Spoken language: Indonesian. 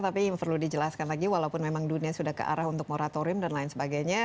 tapi perlu dijelaskan lagi walaupun memang dunia sudah ke arah untuk moratorium dan lain sebagainya